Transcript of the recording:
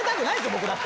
僕だって。